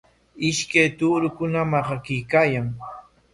Ishkay tuurukuna maqanakuykaayan.